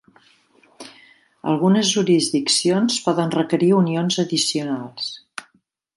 Algunes jurisdiccions poden requerir unions addicionals.